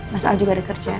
mas al juga ada kerja